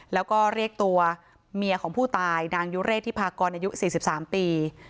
แล้วก็เรียกตัวเมียของผู้ตายนางยุเรศที่พากรอายุสี่สิบสามปี